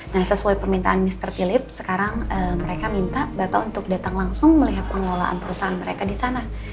nah sesuai permintaan mr pillips sekarang mereka minta bapak untuk datang langsung melihat pengelolaan perusahaan mereka disana